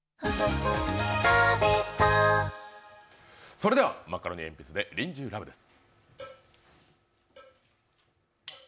それでは、マカロニえんぴつで「リンジュー・ラヴ」です。